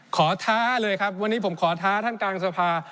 ท้าเลยครับวันนี้ผมขอท้าท่านกลางสภา